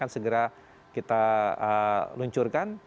segera kita lancurkan